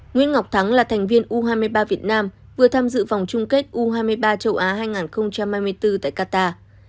nguyễn ngọc thắng là thành viên u hai mươi ba việt nam vừa tham dự vòng chung kết u hai mươi ba châu á hai nghìn hai mươi bốn tại qatar